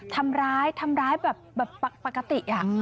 ทำร้ายทำร้ายแบบปกติ